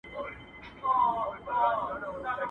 موسیقي د انسان غم کموي